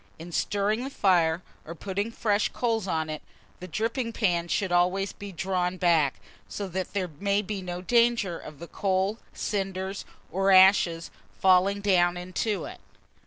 ] 581. IN STIRRING THE FIRE, or putting fresh coals on it, the dripping pan should always be drawn back, so that there may be no danger of the coal, cinders, or ashes falling down into it.